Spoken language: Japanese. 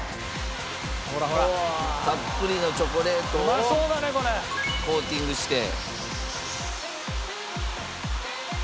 「たっぷりのチョコレートをコーティングして」